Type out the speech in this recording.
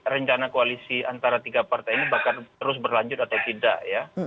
rencana koalisi antara tiga partai ini bahkan terus berlanjut atau tidak ya